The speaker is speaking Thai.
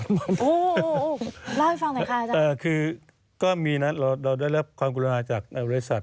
โอ้โหเล่าให้ฟังหน่อยค่ะอาจารย์คือก็มีนะเราได้รับความกรุณาจากในบริษัท